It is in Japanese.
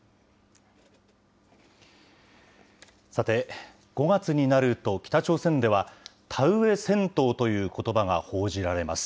さて、５月になると北朝鮮では、田植え戦闘ということばが報じられます。